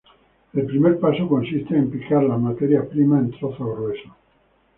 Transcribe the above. El primer paso consiste en picar las materias primas en trozos gruesos.